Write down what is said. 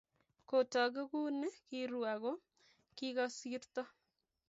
kotogu Kuni kiruu, ago kigagosirtoo